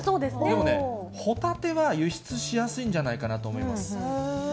でもね、ホタテは輸出しやすいんじゃないかなと思います。